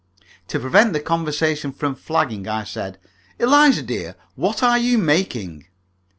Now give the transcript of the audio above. To prevent the conversation from flagging, I said, "Eliza, dear, what are you making?"